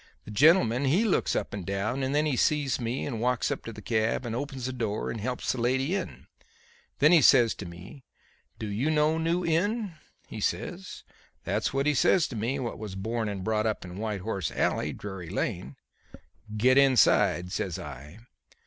The gentleman he looks up and down and then he sees me and walks up to the cab and opens the door and helps the lady in. Then he says to me: 'Do you know New Inn?' he says. That's what he says to me what was born and brought up in White Horse Alley, Drury Lane. "'Get inside,' says I.